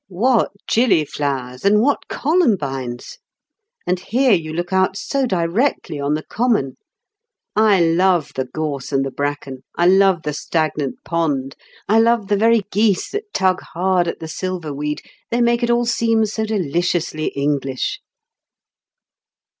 What gillyflowers and what columbines! And here you look out so directly on the common. I love the gorse and the bracken, I love the stagnant pond, I love the very geese that tug hard at the silverweed, they make it all seem so deliciously English."